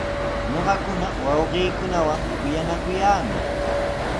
Ñuqakuna wawqiikunawan kuyanakuyaami.